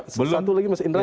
satu lagi mas indra